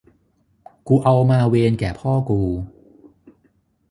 กูเอามาเวนแก่พ่อกู